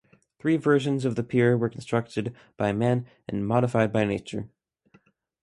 Three versions of the Pier were constructed by man and modified by nature.